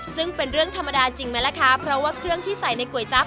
ซึ่งเป็นเรื่องธรรมดาจริงไหมล่ะคะเพราะว่าเครื่องที่ใส่ในก๋วยจั๊บ